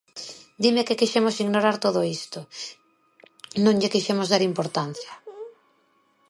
Dime que quixemos ignorar todo isto, non lle quixemos dar importancia.